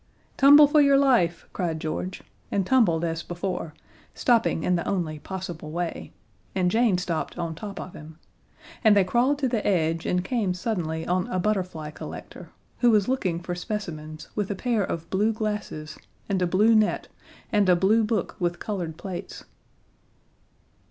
"Tumble for your life!" cried George, and tumbled as before, stopping in the only possible way, and Jane stopped on top of him, and they crawled to the edge and came suddenly on a butterfly collector, who was looking for specimens with a pair of blue glasses and a blue net and a blue book with colored plates.